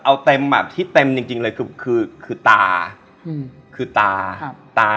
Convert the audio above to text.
เอาที่เต็มแบบที่เต็มจริงเลยคือตา